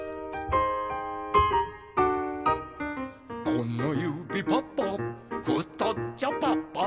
「このゆびパパふとっちょパパ」